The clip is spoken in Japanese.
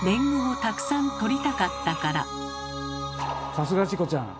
さすがチコちゃん。